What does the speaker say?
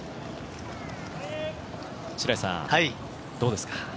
白井さん、どうですか？